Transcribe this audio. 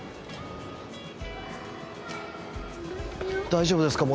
大丈夫ですか？